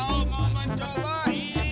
oke semuanya kebagian